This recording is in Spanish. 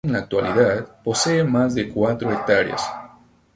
En la actualidad posee más de cuatro hectáreas.